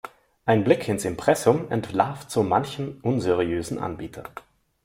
Ein Blick ins Impressum entlarvt so manchen unseriösen Anbieter.